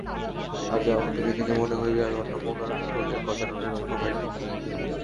আজও আমাকে দেখিলে মনে হইবে, আমি অন্নপূর্ণার কোলে গজাননের ছোটো ভাইটি।